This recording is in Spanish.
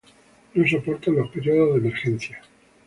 No soportan los periodos de emergencia.